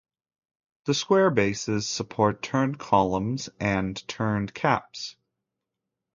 The square bases support turned columns and turned caps.